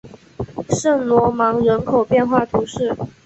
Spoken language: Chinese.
圣罗芒人口变化图示